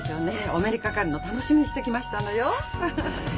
お目にかかるのを楽しみにして来ましたのよフフフ。